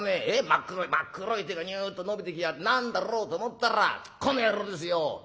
真っ黒い真っ黒い手がニュッと伸びてきやがって何だろうと思ったらこの野郎ですよ。